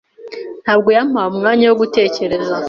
ntabwo yampaye umwanya wo gutekereza.